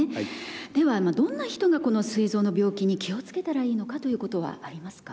ではどんな人がこのすい臓の病気に気をつけたらいいのかということはありますか？